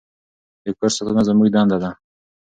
د کور ساتنه زموږ دنده ده.